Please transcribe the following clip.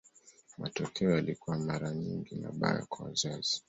Matokeo yalikuwa mara nyingi mabaya kwa wakazi.